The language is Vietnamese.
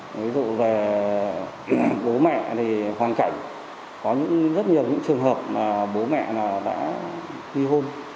ví dụ về bố mẹ thì hoàn cảnh có rất nhiều những trường hợp bố mẹ đã huy hôn